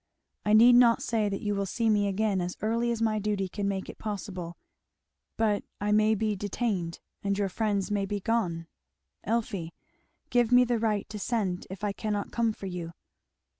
I need not say that you will see me again as early as my duty can make it possible; but I may be detained, and your friends may be gone Elfie give me the right to send if I cannot come for you.